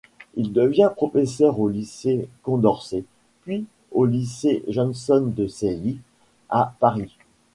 Il devient professeur au lycée Condorcet, puis au lycée Janson-de-Sailly, à Paris.